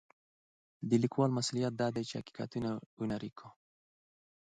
د لیکوال مسوولیت دا دی چې واقعیتونه هنري کړي.